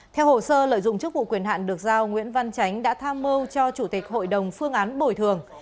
theo hồ sơ lợi dụng chức vụ quyền hạn được giao nguyễn văn chánh đã tham mưu cho chủ tịch hội đồng phương án bồi thường